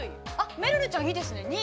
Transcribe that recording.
◆めるるちゃん、いいですね、２位。